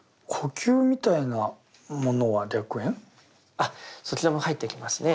あっそちらも入ってきますね。